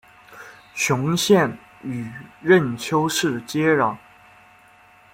雄县与任丘市接壤。